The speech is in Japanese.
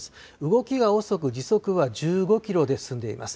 動きが遅く、時速は１５キロで進んでいます。